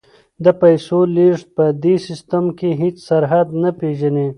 د پیسو لیږد په دې سیستم کې هیڅ سرحد نه پیژني.